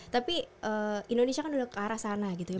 tapi indonesia kan udah ke arah sana gitu ya